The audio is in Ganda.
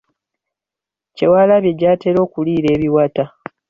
Kyewaalabye gy’atera okuliira ebiwata.